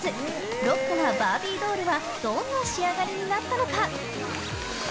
ロックなバービードールはどんな仕上がりになったのか？